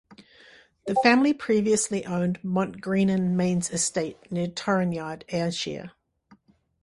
The family previously owned Montgreenan Mains Estate, near Torranyard, Ayrshire.